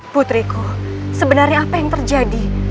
putriku sebenarnya apa yang terjadi